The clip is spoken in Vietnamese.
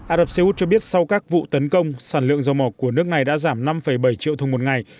ả rập xê út cho biết sau các vụ tấn công sản lượng dầu mỏ của nước này đã giảm năm bảy triệu thùng một ngày